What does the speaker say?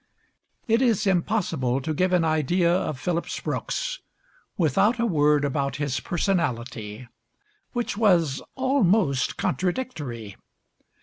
It is impossible to give an idea of Phillips Brooks without a word about his personality, which was almost contradictory.